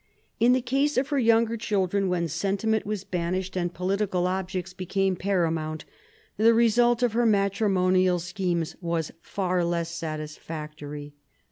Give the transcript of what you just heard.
In the case of her younger children, when sentiment was banished and political objects became paramount, the result of her matrimonial schemes was far less satisfactory.